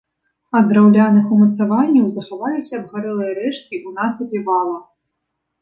Ад драўляных умацаванняў захаваліся абгарэлыя рэшткі ў насыпе вала.